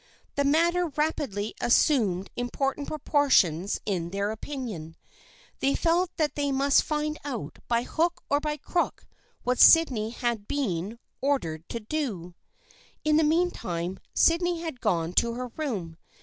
The matter rapidly assumed important proportions in their opinion. They felt that they must find out by hook or by crook what Sydney had been or dered to do. In the meantime Sydney had gone to her room.